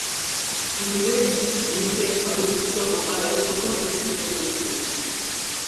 ইংরেজ ভূমিতে অনুষ্ঠিত ওভালের প্রথম টেস্টে তিনি খেলেছিলেন।